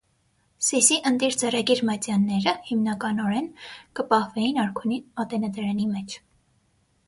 Սիսի ընտիր ձեռագիր մատեանները՝ հիմնականօէն, կը պահուէին արքունի մատենադարանին մէջ։